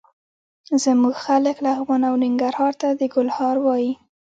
زموږ خلک لغمان او ننګرهار ته د ګل هار وايي.